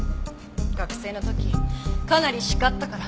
学生の時かなり叱ったから。